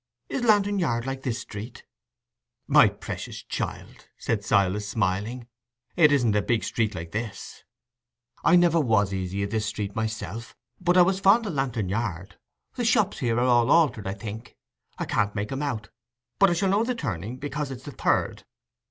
Is Lantern Yard like this street?" "My precious child," said Silas, smiling, "it isn't a big street like this. I never was easy i' this street myself, but I was fond o' Lantern Yard. The shops here are all altered, I think—I can't make 'em out; but I shall know the turning, because it's the third."